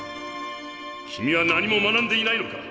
君は何も学んでいないのか？